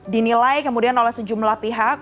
dinilai kemudian oleh sejumlah pihak